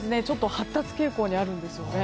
発達傾向にあるんですよね。